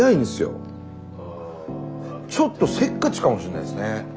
ちょっとせっかちかもしれないですね。